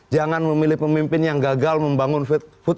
jangan memilih pemimpin yang gagal membangun food